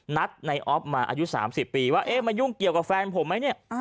นัดในออฟมาอายุ๓๐ปีว่าเอ๊ะมายุ่งเกี่ยวกับแฟนผมไหมเนี่ย